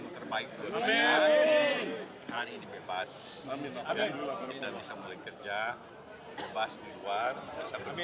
terima kasih glassph applause